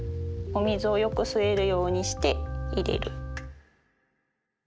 お水をよく吸えるようにして入れる。